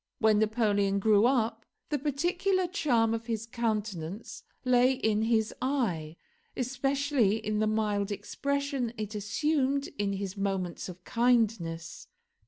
When Napoleon grew up, the peculiar charm of his countenance lay in his eye, especially in the mild expression it assumed in his moments of kindness.